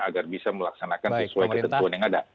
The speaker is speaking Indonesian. agar bisa melaksanakan sesuai ketentuan yang ada